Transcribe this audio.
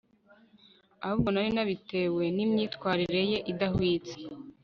ahubwo nari nabitewe nimyitwarire ye idahwitse